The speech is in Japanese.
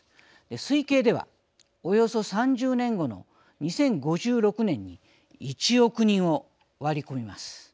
推計ではおよそ３０年後の２０５６年に１億人を割り込みます。